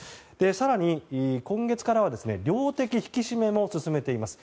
更に、今月からは量的引き締めも進めています。